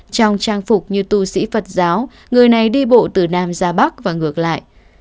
trong trang phục như tu sĩ phật giáo người này đi bộ từ nam ra bắc và ngược lại